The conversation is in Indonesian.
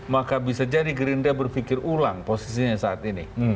maka bisa jadi gerindra berpikir ulang posisinya saat ini